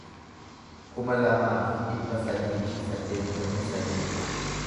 kuma lamaa fi dhibba sadii fi saddeettamii sadii